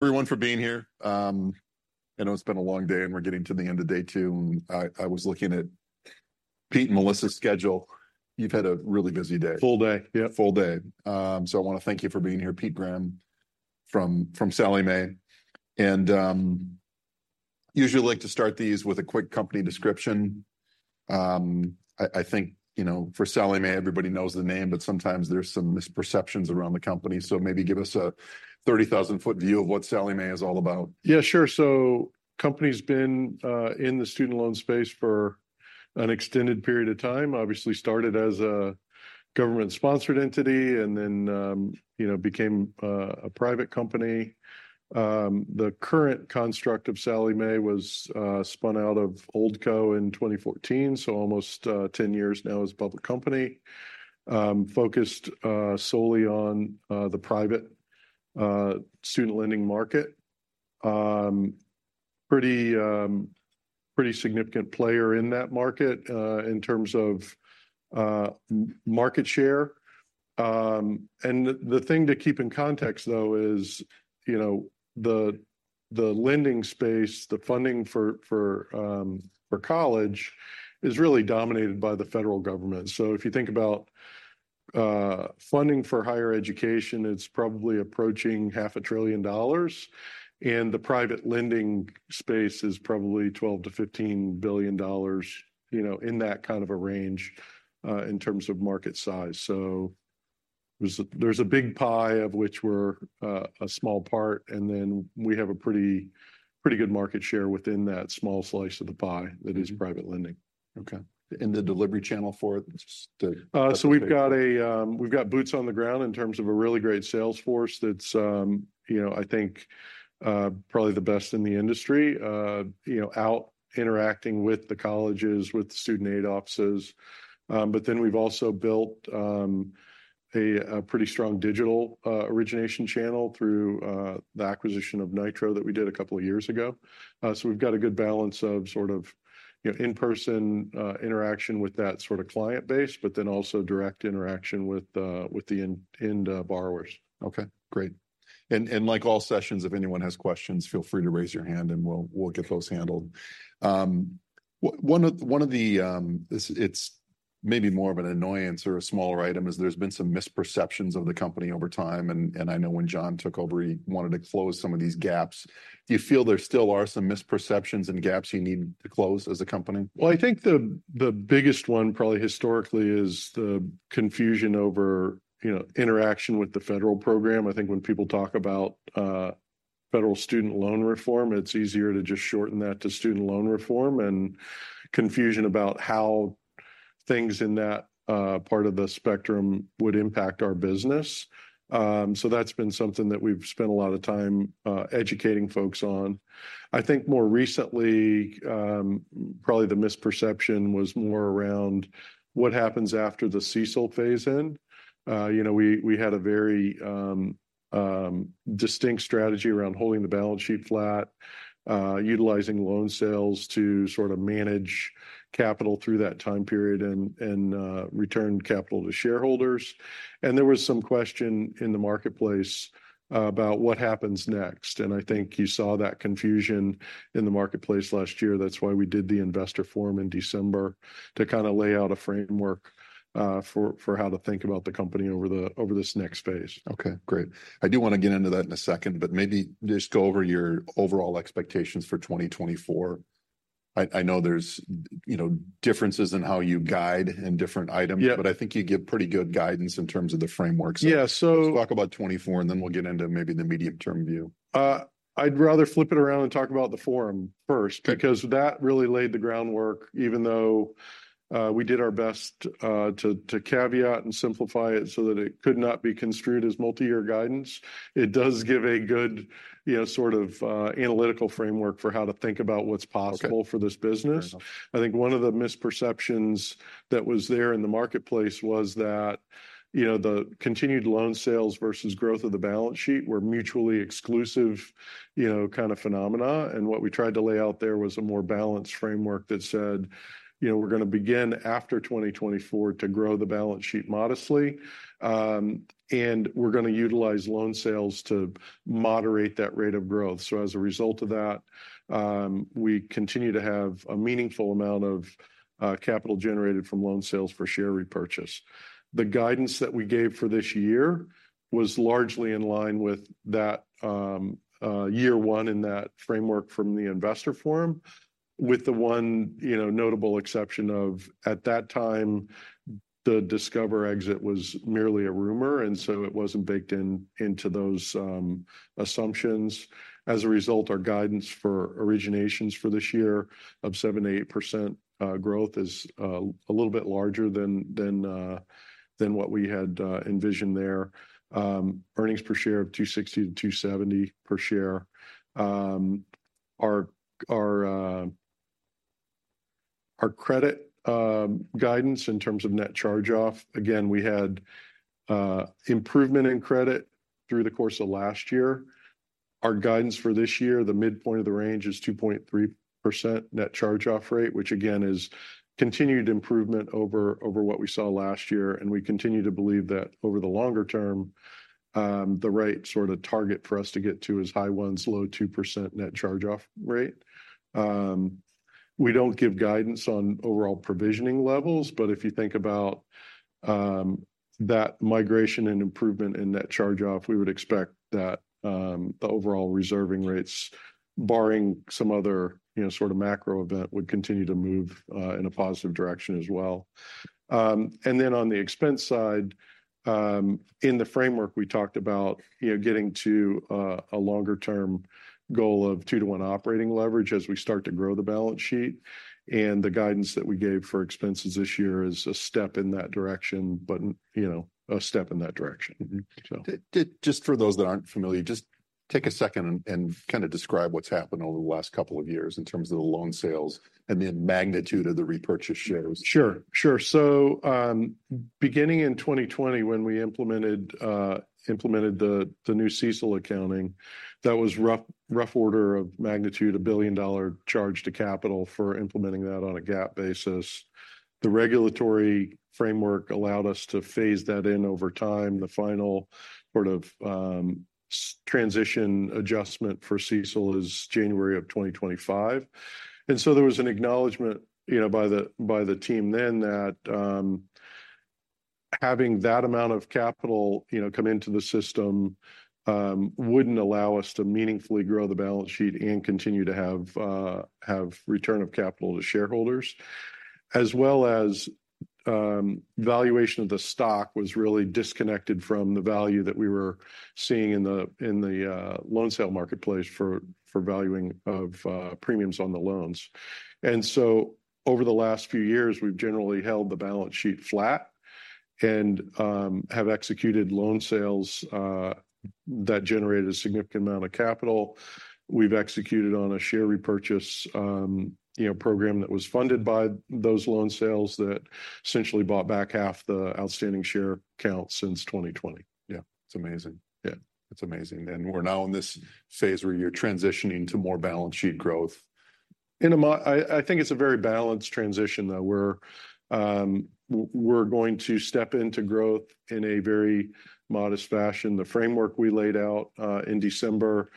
Everyone for being here. I know it's been a long day, and we're getting to the end of day 2. I was looking at Pete and Melissa's schedule. You've had a really busy day. Full day. Yeah. Full day. So I want to thank you for being here, Pete Graham from Sallie Mae. Usually like to start these with a quick company description. I think, you know, for Sallie Mae, everybody knows the name, but sometimes there's some misperceptions around the company. So maybe give us a 30,000-foot view of what Sallie Mae is all about. Yeah, sure. So company's been in the student loan space for an extended period of time, obviously started as a government-sponsored entity, and then, you know, became a private company. The current construct of Sallie Mae was spun out of Oldco in 2014, so almost 10 years now as a public company, focused solely on the private student lending market. Pretty, pretty significant player in that market, in terms of market share. And the thing to keep in context, though, is, you know, the lending space, the funding for college is really dominated by the Federal Government. So if you think about funding for higher education, it's probably approaching $500 billion. And the private lending space is probably $12 billion-$15 billion, you know, in that kind of a range, in terms of market size. So there's a big pie of which we're a small part, and then we have a pretty pretty good market share within that small slice of the pie that is private lending. Okay. And the delivery channel for it? So we've got boots on the ground in terms of a really great sales force that's, you know, I think, probably the best in the industry, you know, out interacting with the colleges, with the student aid offices. But then we've also built a pretty strong digital origination channel through the acquisition of Nitro that we did a couple of years ago. So we've got a good balance of sort of, you know, in-person interaction with that sort of client base, but then also direct interaction with the end borrowers. Okay, great. And like all sessions, if anyone has questions, feel free to raise your hand, and we'll get those handled. One of the, it's maybe more of an annoyance or a smaller item is there's been some misperceptions of the company over time. And I know when John took over, he wanted to close some of these gaps. Do you feel there still are some misperceptions and gaps you need to close as a company? Well, I think the biggest one, probably historically, is the confusion over, you know, interaction with the Federal Program. I think when people talk about, Federal student loan reform, it's easier to just shorten that to student loan reform and confusion about how things in that, part of the spectrum would impact our business. So that's been something that we've spent a lot of time, educating folks on. I think more recently, probably the misperception was more around what happens after the CECL phase in. You know, we had a very, distinct strategy around holding the balance sheet flat, utilizing loan sales to sort of manage capital through that time period and, return capital to shareholders. And there was some question in the marketplace, about what happens next. And I think you saw that confusion in the marketplace last year. That's why we did the Investor Forum in December to kind of lay out a framework for how to think about the company over this next phase. Okay, great. I do want to get into that in a second, but maybe just go over your overall expectations for 2024. I know there's, you know, differences in how you guide in different items, but I think you give pretty good guidance in terms of the framework. So let's talk about 2024, and then we'll get into maybe the medium-term view. I'd rather flip it around and talk about the forum first, because that really laid the groundwork, even though we did our best to caveat and simplify it so that it could not be construed as multi-year guidance. It does give a good, you know, sort of, analytical framework for how to think about what's possible for this business. I think one of the misperceptions that was there in the marketplace was that, you know, the continued loan sales versus growth of the balance sheet were mutually exclusive, you know, kind of phenomena. And what we tried to lay out there was a more balanced framework that said, you know, we're going to begin after 2024 to grow the balance sheet modestly, and we're going to utilize loan sales to moderate that rate of growth. So as a result of that, we continue to have a meaningful amount of capital generated from loan sales for share repurchase. The guidance that we gave for this year was largely in line with that year one in that framework from the investor forum. With the one, you know, notable exception of at that time, the Discover exit was merely a rumor, and so it wasn't baked in into those assumptions. As a result, our guidance for originations for this year of 7%-8% growth is a little bit larger than what we had envisioned there. Earnings per share of $2.60-$2.70 per share. Our credit guidance in terms of net charge-off, again, we had improvement in credit through the course of last year. Our guidance for this year, the midpoint of the range is 2.3% net charge-off rate, which again is continued improvement over what we saw last year. And we continue to believe that over the longer term, the right sort of target for us to get to is high ones, low 2% net charge-off rate. We don't give guidance on overall provisioning levels, but if you think about that migration and improvement in net charge-off, we would expect that the overall reserving rates, barring some other, you know, sort of macro event, would continue to move in a positive direction as well. And then on the expense side, in the framework we talked about, you know, getting to a longer-term goal of 2:1 operating leverage as we start to grow the balance sheet. The guidance that we gave for expenses this year is a step in that direction, but, you know, a step in that direction. Just for those that aren't familiar, just take a second and kind of describe what's happened over the last couple of years in terms of the loan sales and the magnitude of the repurchase shares. Sure, sure. So, beginning in 2020, when we implemented the new CECL accounting, that was rough order of magnitude, a $1 billion charge to capital for implementing that on a GAAP basis. The regulatory framework allowed us to phase that in over time. The final sort of transition adjustment for CECL is January of 2025. And so there was an acknowledgment, you know, by the team then that, having that amount of capital, you know, come into the system, wouldn't allow us to meaningfully grow the balance sheet and continue to have return of capital to shareholders. As well as, valuation of the stock was really disconnected from the value that we were seeing in the loan sale marketplace for valuing of premiums on the loans. And so over the last few years, we've generally held the balance sheet flat. have executed loan sales that generated a significant amount of capital. We've executed on a share repurchase, you know, program that was funded by those loan sales that essentially bought back half the outstanding share count since 2020. Yeah, it's amazing. Yeah, it's amazing. We're now in this phase where you're transitioning to more balance sheet growth. I think it's a very balanced transition, though. We're going to step into growth in a very modest fashion. The framework we laid out in December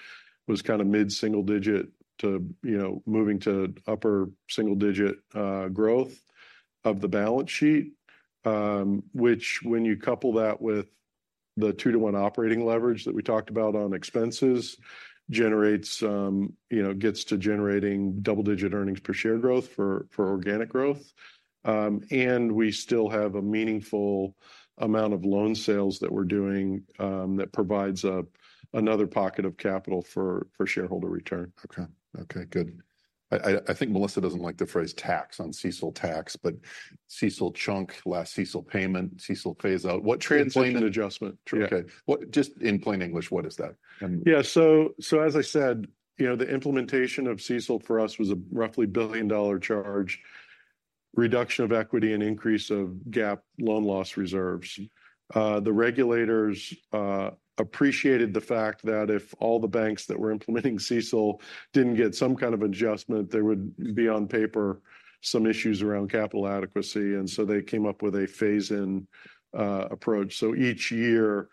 was kind of mid-single-digit to, you know, moving to upper single-digit growth of the balance sheet, which when you couple that with the 2-to-1 operating leverage that we talked about on expenses, generates, you know, gets to generating double-digit earnings per share growth for organic growth. And we still have a meaningful amount of loan sales that we're doing, that provides another pocket of capital for shareholder return. Okay, okay, good. I think Melissa doesn't like the phrase tax on CECL tax, but CECL chunk, last CECL payment, CECL phase out. What translates. Implementing adjustment. Okay. What, just in plain English, what is that? Yeah, so as I said, you know, the implementation of CECL for us was a roughly $1 billion charge: reduction of equity and increase of GAAP loan loss reserves. The regulators appreciated the fact that if all the banks that were implementing CECL didn't get some kind of adjustment, there would be on paper some issues around capital adequacy. And so they came up with a phase-in approach. So each year,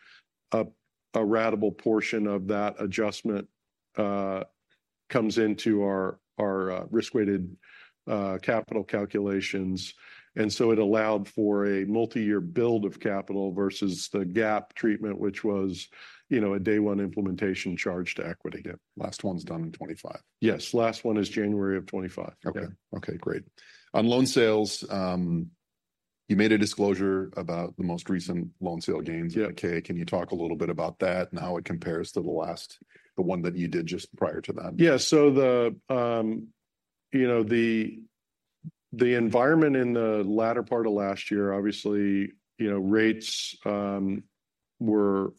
a ratable portion of that adjustment comes into our risk-weighted capital calculations. And so it allowed for a multi-year build of capital versus the GAAP treatment, which was, you know, a day one implementation charge to equity. Yeah, last one's done in 2025. Yes, last one is January of 2025. Okay, okay, great. On loan sales, you made a disclosure about the most recent loan sale gains. Okay, can you talk a little bit about that and how it compares to the last, the one that you did just prior to that? Yeah, so you know, the environment in the latter part of last year, obviously, you know, rates were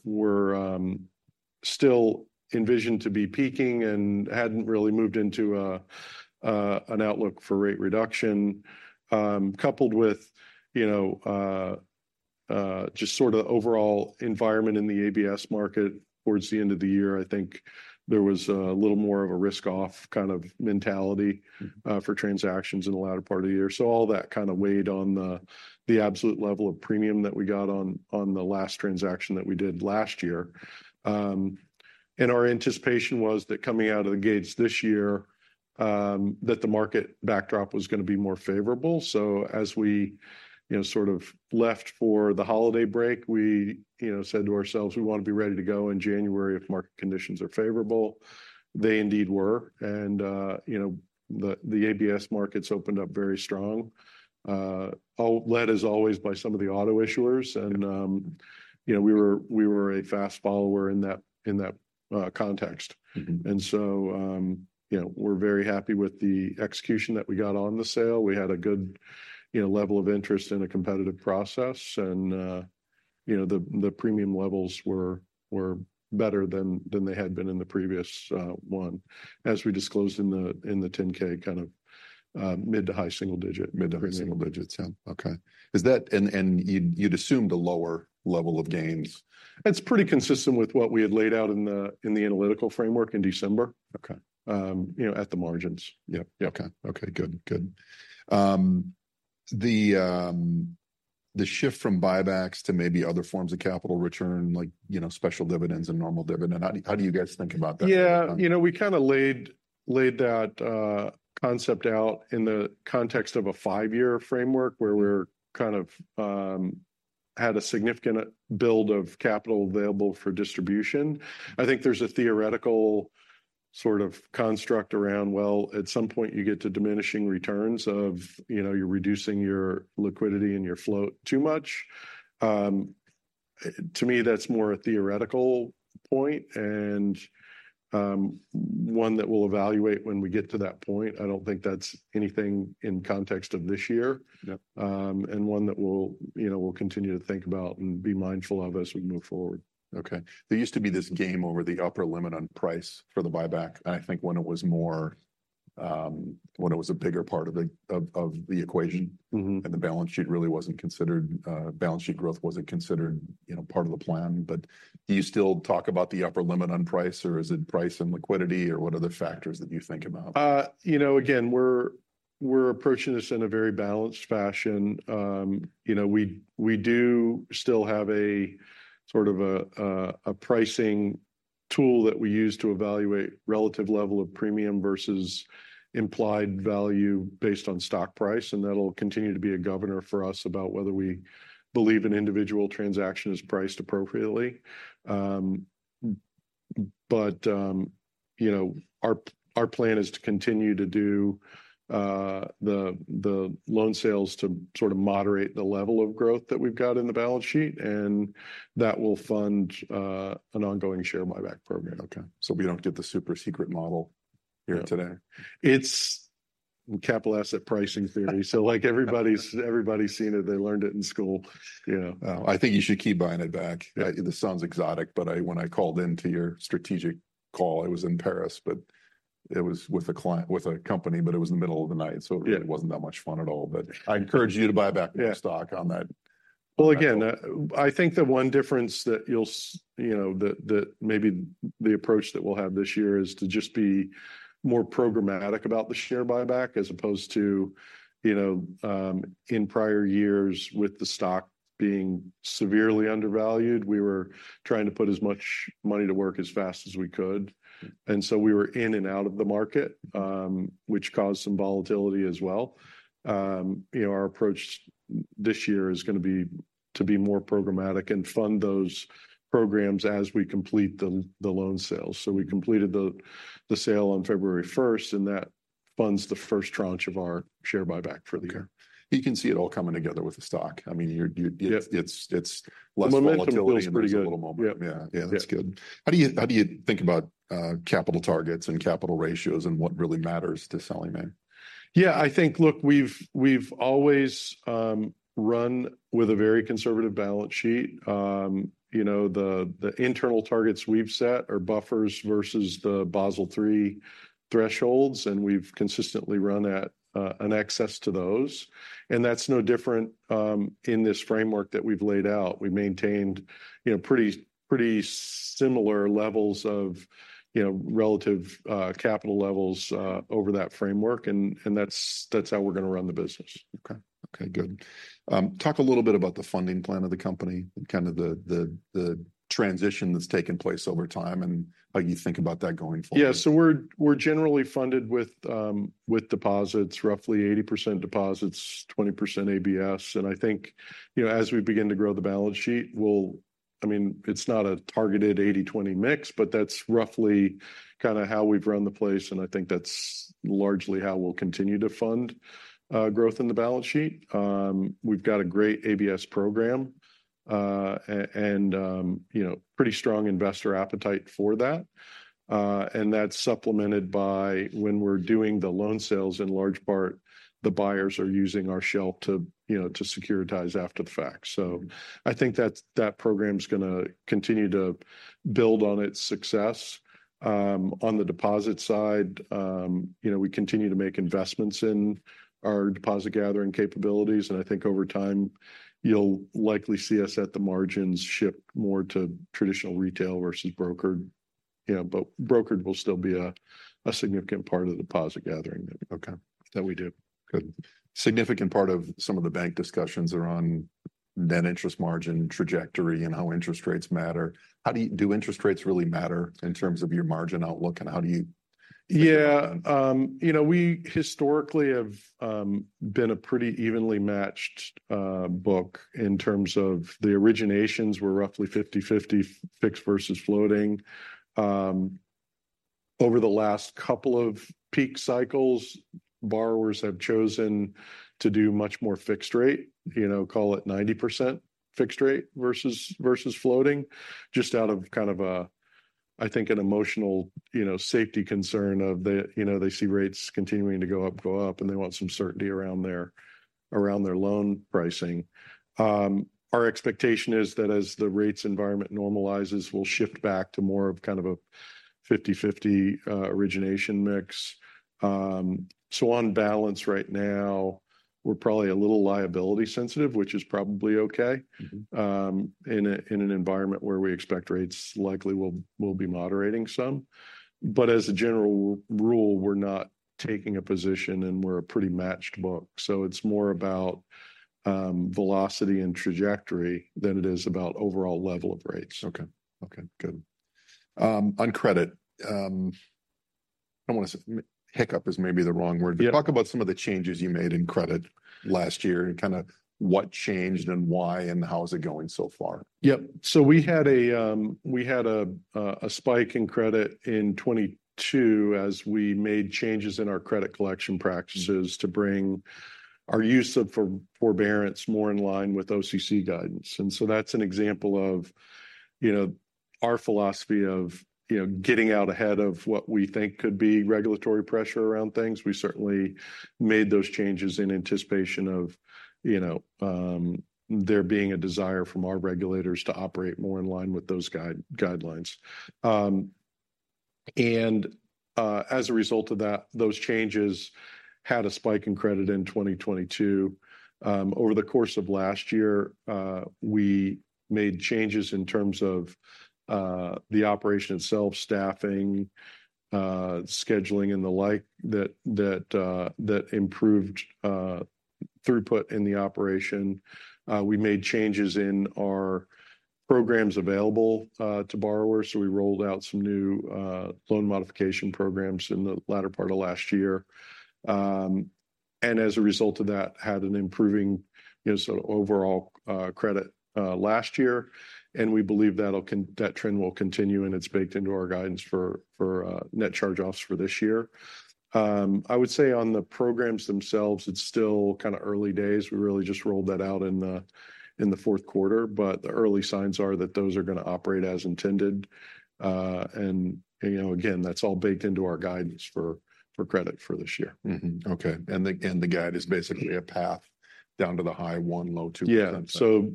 still envisioned to be peaking and hadn't really moved into an outlook for rate reduction. Coupled with, you know, just sort of the overall environment in the ABS market towards the end of the year, I think there was a little more of a risk-off kind of mentality for transactions in the latter part of the year. So all that kind of weighed on the absolute level of premium that we got on the last transaction that we did last year. And our anticipation was that coming out of the gates this year, that the market backdrop was going to be more favorable. So as we, you know, sort of left for the holiday break, we, you know, said to ourselves, we want to be ready to go in January if market conditions are favorable. They indeed were. And, you know, the ABS markets opened up very strong, led as always by some of the auto issuers. And, you know, we were a fast follower in that context. And so, you know, we're very happy with the execution that we got on the sale. We had a good, you know, level of interest in a competitive process. And, you know, the premium levels were better than they had been in the previous one, as we disclosed in the 10-K, kind of mid- to high-single-digit. Mid to high single digits. Yeah, okay. Is that and you'd assume the lower level of gains? It's pretty consistent with what we had laid out in the analytical framework in December. Okay. you know, at the margins. Yep, yep. Okay, okay, good, good. The shift from buybacks to maybe other forms of capital return, like, you know, special dividends and normal dividend. How do you guys think about that? Yeah, you know, we kind of laid that concept out in the context of a five-year framework where we kind of had a significant build of capital available for distribution. I think there's a theoretical sort of construct around well, at some point you get to diminishing returns of, you know, you're reducing your liquidity and your float too much. To me, that's more a theoretical point and one that we'll evaluate when we get to that point. I don't think that's anything in context of this year. Yep, and one that we'll, you know, continue to think about and be mindful of as we move forward. Okay. There used to be this game over the upper limit on price for the buyback. I think when it was more, when it was a bigger part of the equation and the balance sheet really wasn't considered, balance sheet growth wasn't considered, you know, part of the plan. But do you still talk about the upper limit on price or is it price and liquidity or what other factors that you think about? You know, again, we're approaching this in a very balanced fashion. You know, we do still have a sort of a pricing tool that we use to evaluate relative level of premium versus implied value based on stock price. And that'll continue to be a governor for us about whether we believe an individual transaction is priced appropriately. But, you know, our plan is to continue to do the loan sales to sort of moderate the level of growth that we've got in the balance sheet. And that will fund an ongoing share buyback program. Okay, so we don't get the super secret model here today. It's capital asset pricing theory. So like everybody's seen it. They learned it in school, you know. Oh, I think you should keep buying it back. This sounds exotic, but when I called into your strategic call, it was in Paris, but it was with a client with a company, but it was in the middle of the night. So it really wasn't that much fun at all. But I encourage you to buy back the stock on that. Well, again, I think the one difference that you'll, you know, that maybe the approach that we'll have this year is to just be more programmatic about the share buyback as opposed to, you know, in prior years with the stock being severely undervalued, we were trying to put as much money to work as fast as we could. And so we were in and out of the market, which caused some volatility as well. You know, our approach this year is going to be to be more programmatic and fund those programs as we complete the loan sales. So we completed the sale on February 1st, and that funds the first tranche of our share buyback for the year. You can see it all coming together with the stock. I mean, less volatility is a little moment. Yeah, yeah, that's good. How do you think about capital targets and capital ratios and what really matters to Sallie Mae? Yeah, I think, look, we've always run with a very conservative balance sheet. You know, the internal targets we've set are buffers versus the Basel III thresholds. We've consistently run at an excess to those. And that's no different in this framework that we've laid out. We maintained you know pretty similar levels of you know relative capital levels over that framework. And that's how we're going to run the business. Okay, okay, good. Talk a little bit about the funding plan of the company and kind of the transition that's taken place over time and how you think about that going forward. Yeah, so we're generally funded with deposits, roughly 80% deposits, 20% ABS. And I think, you know, as we begin to grow the balance sheet, we'll, I mean, it's not a targeted 80-20 mix, but that's roughly kind of how we've run the place. And I think that's largely how we'll continue to fund growth in the balance sheet. We've got a great ABS program, and, you know, pretty strong investor appetite for that. And that's supplemented by when we're doing the loan sales, in large part, the buyers are using our shelf to, you know, to securitize after the fact. So I think that's that program's going to continue to build on its success. On the deposit side, you know, we continue to make investments in our deposit gathering capabilities. I think over time, you'll likely see us at the margins shift more to traditional retail versus brokered. You know, but brokered will still be a significant part of the deposit gathering that we do. Good. Significant part of some of the bank discussions are on net interest margin trajectory and how interest rates matter. How do you do interest rates really matter in terms of your margin outlook and how do you? Yeah, you know, we historically have been a pretty evenly matched book in terms of the originations were roughly 50/50 fixed versus floating. Over the last couple of peak cycles, borrowers have chosen to do much more fixed rate, you know, call it 90% fixed rate versus floating, just out of kind of a, I think, an emotional, you know, safety concern of they, you know, they see rates continuing to go up, and they want some certainty around their loan pricing. Our expectation is that as the rates environment normalizes, we'll shift back to more of kind of a 50/50 origination mix. So on balance right now, we're probably a little liability sensitive, which is probably okay in an environment where we expect rates likely will be moderating some. But as a general rule, we're not taking a position and we're a pretty matched book. So it's more about velocity and trajectory than it is about overall level of rates. Okay, okay, good. On credit, I don't want to say hiccup is maybe the wrong word, but talk about some of the changes you made in credit last year and kind of what changed and why and how's it going so far? Yep, so we had a spike in credit in 2022 as we made changes in our credit collection practices to bring our use of forbearance more in line with OCC guidance. And so that's an example of, you know, our philosophy of, you know, getting out ahead of what we think could be regulatory pressure around things. We certainly made those changes in anticipation of, you know, there being a desire from our regulators to operate more in line with those guidelines. And, as a result of that, those changes had a spike in credit in 2022. Over the course of last year, we made changes in terms of the operation itself, staffing, scheduling and the like that improved throughput in the operation. We made changes in our programs available to borrowers. So we rolled out some new loan modification programs in the latter part of last year, and as a result of that, had an improving, you know, sort of overall credit last year. And we believe that'll continue that trend will continue and it's baked into our guidance for net charge-offs for this year. I would say on the programs themselves, it's still kind of early days. We really just rolled that out in the fourth quarter, but the early signs are that those are going to operate as intended. And, you know, again, that's all baked into our guidance for credit for this year. Mm-hmm. Okay. And the guide is basically a path down to the high 1, low 2 percentile? Yeah. So,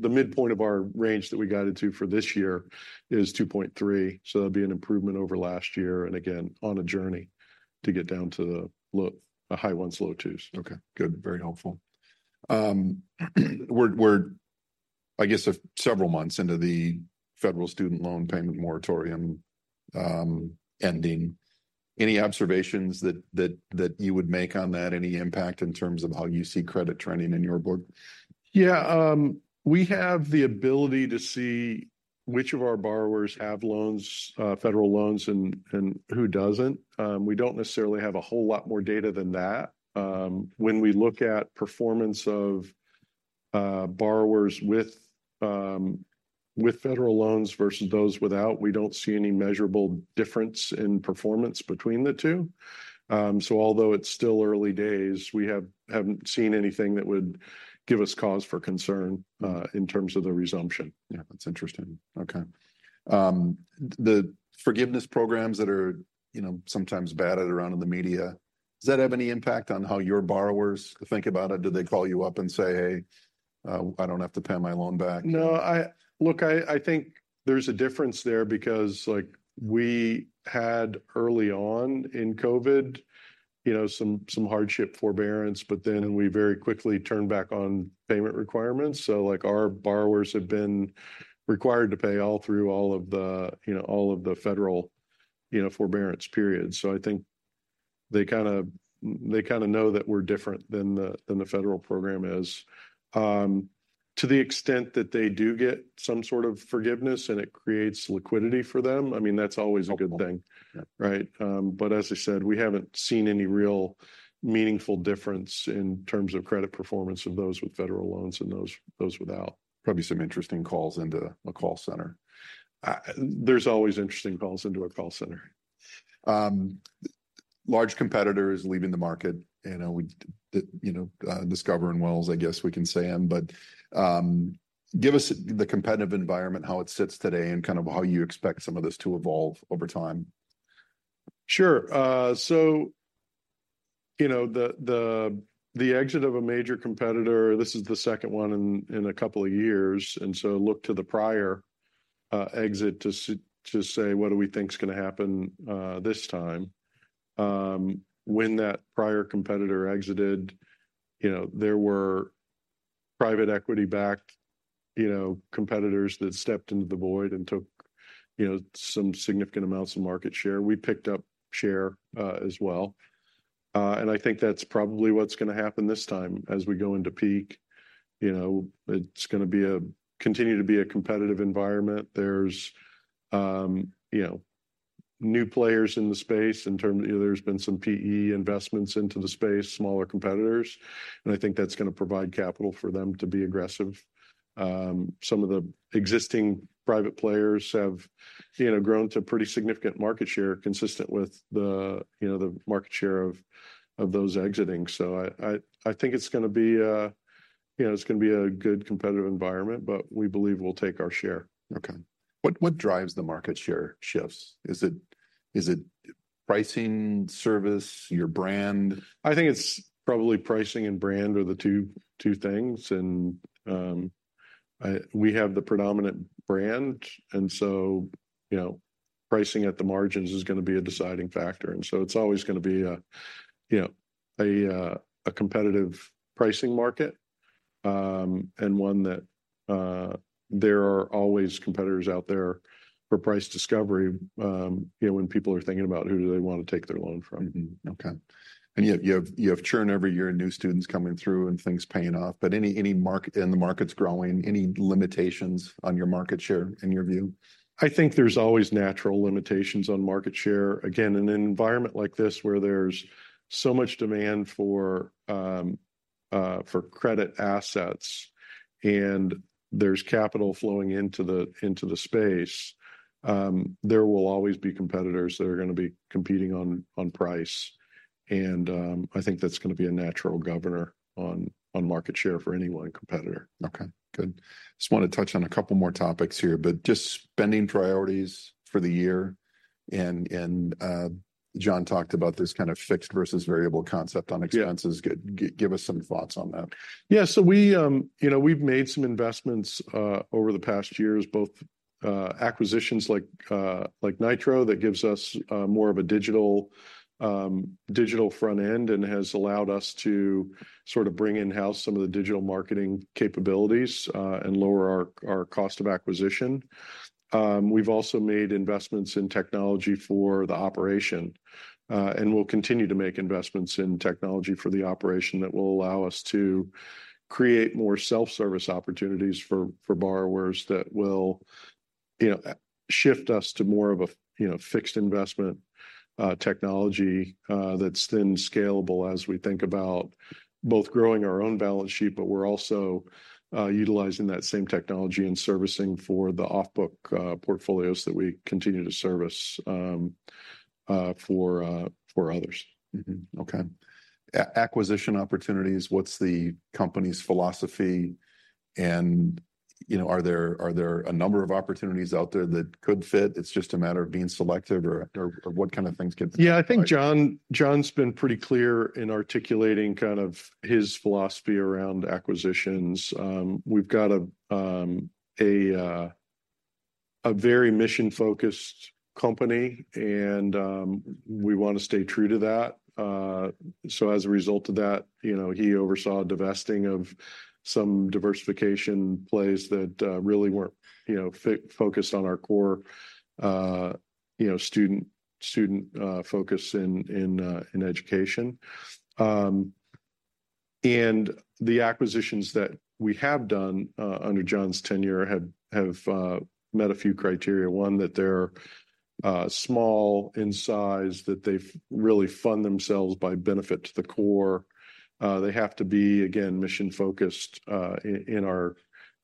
the midpoint of our range that we guided to for this year is 2.3. So that'd be an improvement over last year and again, on a journey to get down to like a high 1s, low 2s. Okay, good. Very helpful. We're I guess several months into the federal student loan payment moratorium ending. Any observations that you would make on that? Any impact in terms of how you see credit trending in your board? Yeah, we have the ability to see which of our borrowers have loans, federal loans and who doesn't. We don't necessarily have a whole lot more data than that. When we look at performance of borrowers with federal loans versus those without, we don't see any measurable difference in performance between the two. So although it's still early days, we haven't seen anything that would give us cause for concern, in terms of the resumption. Yeah, that's interesting. Okay. The forgiveness programs that are, you know, sometimes batted around in the media, does that have any impact on how your borrowers think about it? Do they call you up and say, "Hey, I don't have to pay my loan back"? No, I look, I think there's a difference there because, like, we had early on in COVID, you know, some hardship forbearance, but then we very quickly turned back on payment requirements. So, like, our borrowers have been required to pay all through all of the, you know, all of the federal, you know, forbearance periods. So I think they kind of know that we're different than the federal program is. To the extent that they do get some sort of forgiveness and it creates liquidity for them, I mean, that's always a good thing. Right? But as I said, we haven't seen any real meaningful difference in terms of credit performance of those with federal loans and those without. Probably some interesting calls into a call center. There's always interesting calls into a call center. Large competitor is leaving the market. You know, we you know, Discover and Wells, I guess we can say them, but give us the competitive environment, how it sits today and kind of how you expect some of this to evolve over time. Sure. So, you know, the exit of a major competitor, this is the second one in a couple of years. And so look to the prior exit to say, what do we think's going to happen this time? When that prior competitor exited, you know, there were private equity-backed, you know, competitors that stepped into the void and took, you know, some significant amounts of market share. We picked up share as well. And I think that's probably what's going to happen this time as we go into peak. You know, it's going to continue to be a competitive environment. There's, you know, new players in the space in terms of, you know, there's been some PE investments into the space, smaller competitors. And I think that's going to provide capital for them to be aggressive. Some of the existing private players have, you know, grown to pretty significant market share consistent with the, you know, the market share of those exiting. So I think it's going to be, you know, it's going to be a good competitive environment, but we believe we'll take our share. Okay. What drives the market share shifts? Is it pricing, service, your brand? I think it's probably pricing and brand are the two things. And we have the predominant brand. And so, you know, pricing at the margins is going to be a deciding factor. And so it's always going to be a, you know, a competitive pricing market. And one that, there are always competitors out there for price discovery, you know, when people are thinking about who do they want to take their loan from. Okay. And you have churn every year and new students coming through and things paying off, but any market and the market's growing, any limitations on your market share in your view? I think there's always natural limitations on market share. Again, in an environment like this where there's so much demand for credit assets and there's capital flowing into the space, there will always be competitors that are going to be competing on price. And I think that's going to be a natural governor on market share for any one competitor. Okay, good. Just want to touch on a couple more topics here, but just spending priorities for the year. And John talked about this kind of fixed versus variable concept on expenses. Give us some thoughts on that? Yeah, so we, you know, we've made some investments over the past years, both acquisitions like Nitro that gives us more of a digital front end and has allowed us to sort of bring in-house some of the digital marketing capabilities and lower our cost of acquisition. We've also made investments in technology for the operation. And we'll continue to make investments in technology for the operation that will allow us to create more self-service opportunities for borrowers that will, you know, shift us to more of a, you know, fixed investment technology that's then scalable as we think about both growing our own balance sheet, but we're also utilizing that same technology and servicing for the off-book portfolios that we continue to service for others. Mm-hmm. Okay. Acquisition opportunities, what's the company's philosophy? And, you know, are there are there a number of opportunities out there that could fit? It's just a matter of being selective or or what kind of things get fit? Yeah, I think John's been pretty clear in articulating kind of his philosophy around acquisitions. We've got a very mission-focused company and we want to stay true to that. So as a result of that, you know, he oversaw divesting of some diversification plays that really weren't, you know, focused on our core, you know, student focus in education. And the acquisitions that we have done under John's tenure have met a few criteria. One, that they're small in size, that they've really fund themselves by benefit to the core. They have to be, again, mission-focused in our,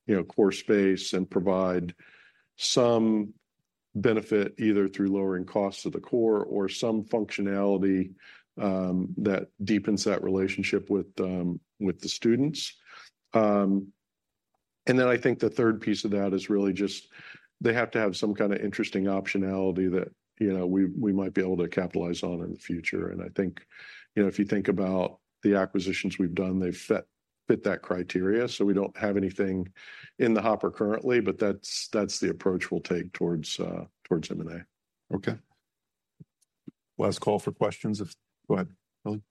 you know, core space and provide some benefit either through lowering costs to the core or some functionality that deepens that relationship with the students. And then I think the third piece of that is really just they have to have some kind of interesting optionality that, you know, we might be able to capitalize on in the future. And I think, you know, if you think about the acquisitions we've done, they've fit that criteria. So we don't have anything in the hopper currently, but that's the approach we'll take towards M&A. Okay. Last call for questions. Go ahead, Billy.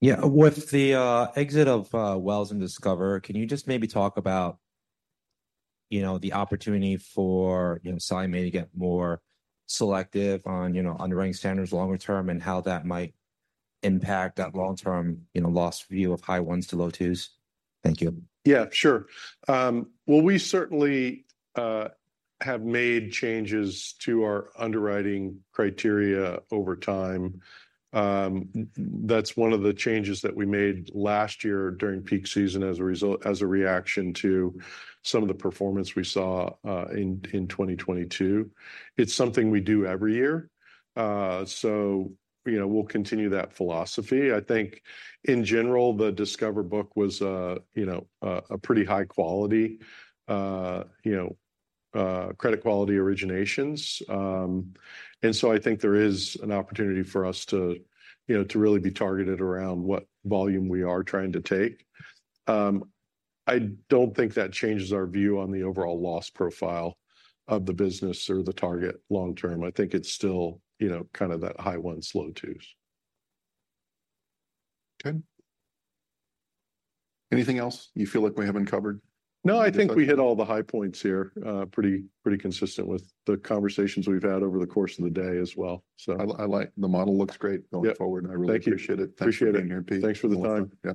Yeah, with the exit of Wells and Discover, can you just maybe talk about, you know, the opportunity for, you know, Sallie Mae to get more selective on, you know, underwriting standards longer term and how that might impact that long-term, you know, loss view of high ones to low twos? Thank you. Yeah, sure. Well, we certainly have made changes to our underwriting criteria over time. That's one of the changes that we made last year during peak season as a result to some of the performance we saw in 2022. It's something we do every year. You know, we'll continue that philosophy. I think in general, the Discover book was a, you know, a pretty high quality, you know, credit quality originations. And so I think there is an opportunity for us to, you know, to really be targeted around what volume we are trying to take. I don't think that changes our view on the overall loss profile of the business or the target long term. I think it's still, you know, kind of that high ones, low twos. Good. Anything else you feel like we haven't covered? No, I think we hit all the high points here, pretty pretty consistent with the conversations we've had over the course of the day as well. I like the model. Looks great going forward. I really appreciate it. Thank you. Appreciate it being here, Pete. Thanks for the time. Yeah.